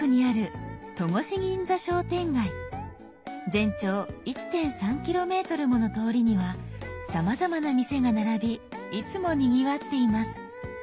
全長１．３キロメートルもの通りにはさまざまな店が並びいつもにぎわっています。